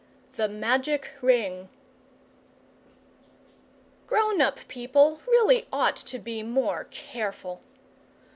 THE MAGIC RING Grown up people really ought to be more careful.